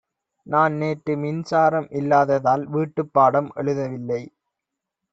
நான் நேற்று மின்சாரம் இல்லாததால் வீட்டுப்பாடம் எழுதவில்லை.